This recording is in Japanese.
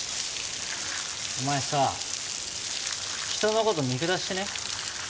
お前さ人のこと見下してね？